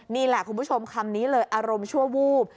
นี่แหละคุณผู้ชมคำนี้เลยอารมณ์ชั่ววูบ